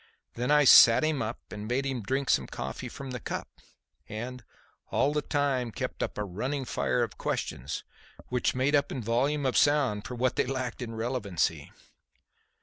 Then I sat him up and made him drink some coffee from the cup, and, all the time, kept up a running fire of questions, which made up in volume of sound for what they lacked of relevancy.